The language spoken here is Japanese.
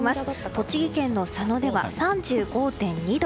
栃木県の佐野では３５．２度。